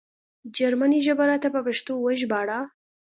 جرمنۍ ژبه راته په پښتو وژباړه